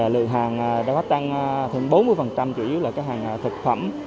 lượng hàng đã tăng hơn bốn mươi chủ yếu là các hàng thực phẩm